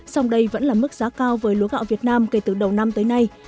song đây vẫn là mức giá cao với lúa gạo việt nam kể từ đầu năm tới nay